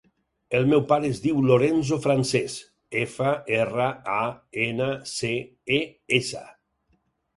El meu pare es diu Lorenzo Frances: efa, erra, a, ena, ce, e, essa.